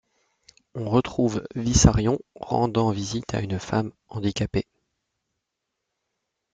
On retrouve Vissarion rendant visite à une femme handicapée.